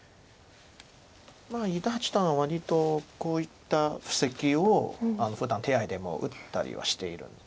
まあ伊田八段は割とこういった布石をふだん手合でも打ったりはしているんです。